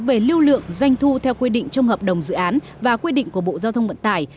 về lưu lượng doanh thu theo quy định trong hợp đồng dự án và quy định của bộ giao thông vận tải